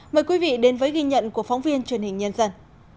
mời quý vị đến với ghi nhận của phóng viên truyền hình nhân dân